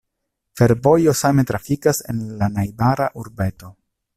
Fervojo same trafikas en la najbara urbeto.